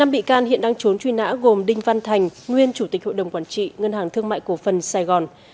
năm bị can hiện đang trốn truy nã gồm đinh văn thành nguyên chủ tịch hội đồng quản trị ngân hàng thương mại cổ phần sài gòn